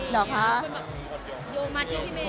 โชว์มาเที่ยวพี่เมย์